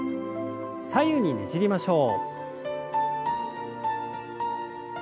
左右にねじりましょう。